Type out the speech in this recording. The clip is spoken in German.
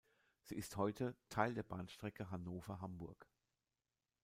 Sie ist heute Teil der Bahnstrecke Hannover–Hamburg.